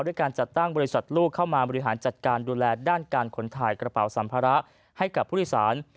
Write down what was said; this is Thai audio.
ด้วยการจัดตั้งบริษัทลูกเข้ามาบริหารจัดการดูแลด้านการขนถ่ายกระเป๋าสัมภาระให้กับผู้โดยสาร